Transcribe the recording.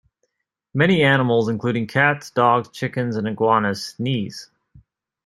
Many animals including cats, dogs, chickens and iguanas sneeze.